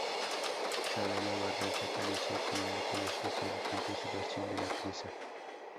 Chavela Vargas apareció como invitada especial, y cantó su versión de la pieza.